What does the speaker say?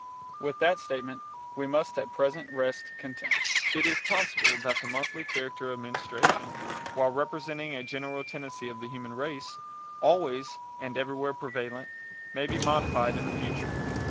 With that statement we must at present rest content. It is possible that the monthly character of menstruation, while representing a general tendency of the human race, always and everywhere prevalent, may be modified in the future.